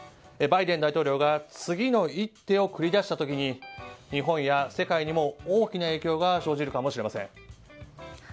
バイデン大統領が次の一手を繰り出した時に日本や世界にも大きな影響が生じるかもしれません。